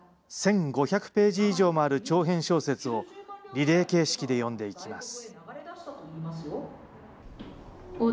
１５００ページ以上もある長編小説を、リレー形式で読んでいきます。